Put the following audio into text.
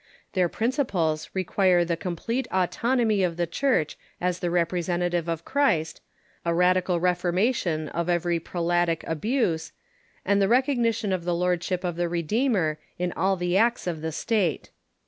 Their principles require the complete autonomy of the Church as the representative of Christ, a radical reformation of every pre latic abuse, and the recognition of the Lordship of the Re deemer in all the acts of the State.